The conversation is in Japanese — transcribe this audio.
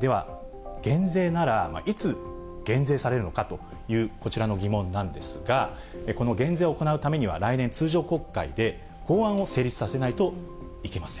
では、減税ならいつ減税されるのかという、こちらの疑問なんですが、この減税を行うためには、来年、通常国会で法案を成立させないといけません。